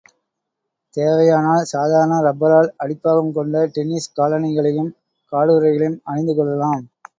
தேவையானால், சாதாரண ரப்பரால் அடிப்பாகம் கொண்ட டென்னிஸ் காலணிகளையும், காலுறைகளையும் அணிந்து கொள்ளலாம்.